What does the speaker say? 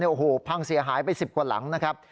โอ้โหพังเสียหายไป๑๐กว่าหลังนะครับ